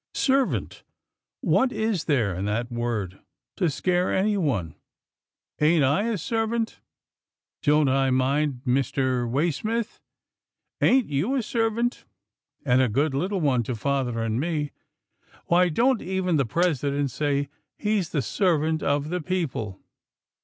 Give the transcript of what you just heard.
Servant — what is there in that word to scare anyone? Ain't I a servant — don't I mind Mr. Waysmith ? Ain't you a serv ant, and a good little one to father and me? Why, don't even the President say he's the servant of the people.